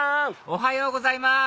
おはようございます！